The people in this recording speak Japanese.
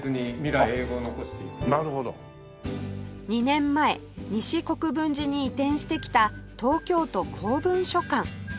２年前西国分寺に移転してきた東京都公文書館